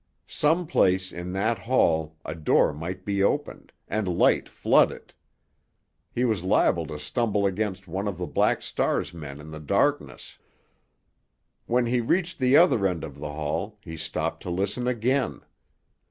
Some place in that hall a door might be opened, and light flood it. He was liable to stumble against one of the Black Star's men in the darkness. When he reached the other end of the hall he stopped to listen again.